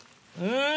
うん！